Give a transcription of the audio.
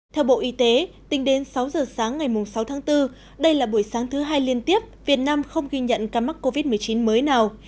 theo bộ y tế tính đến sáu giờ sáng ngày sáu tháng bốn đây là buổi sáng thứ hai liên tiếp việt nam không ghi nhận ca mắc covid một mươi chín mới nào